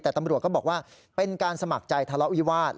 แต่ตำรวจก็บอกว่าเป็นการสมัครใจทะเลาะวิวาส